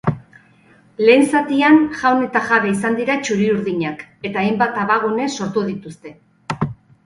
Lehen zatian jaun eta jabe izan dira txuri-urdinak eta hainbat abagune sortu dituzte.